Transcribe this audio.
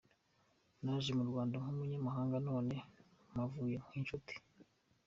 Naje mu Rwanda nk’umunyamahanga none mpavuye nk’inshuti.